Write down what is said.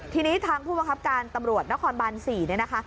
ทีนี้ทางผู้ประกับการตำรวจนครบัน๔นะคะ